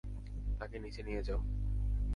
তাকে নিচে নিয়ে যাও।